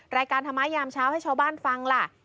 รายการธรรมายามเช้าให้ชาวบ้านฟังล่ะ